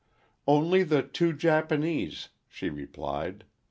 "Only the two Japanese," she replied.